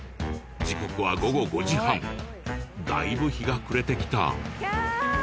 時刻は午後５時半だいぶ日が暮れてきたキャー！